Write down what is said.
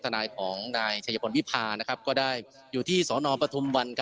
ทนายของนายเฉยฝนวิภานะครับก็ได้อยู่ที่สปธพธ